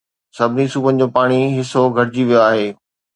سڀني صوبن جو پاڻي حصو گهٽجي ويو آهي